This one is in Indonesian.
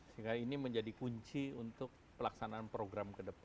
sehingga ini menjadi kunci untuk pelaksanaan program kedepan